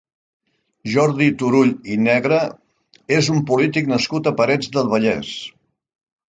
Jordi Turull i Negre és un polític nascut a Parets del Vallès.